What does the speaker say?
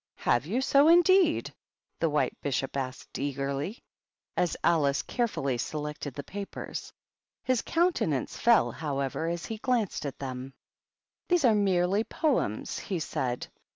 "Have you so, indeed?" the White Bishop asked eagerly, as Alice carefully selected the papers. His countenance fell, however, as he glanced at them. "These are merely poems," he said.